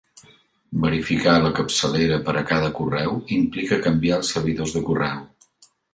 Verificar la capçalera per a cada correu implica canviar els servidors de correu.